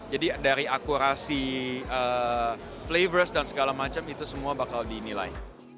jadi dari akurasi flavors dan segala macam itu semua bakal dinilai